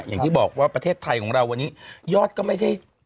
อย่างที่บอกว่าประเทศไทยของเราวันนี้ยอดก็ไม่ใช่